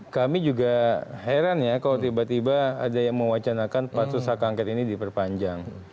kami juga heran ya kalau tiba tiba ada yang mewacanakan pansus hak angket ini diperpanjang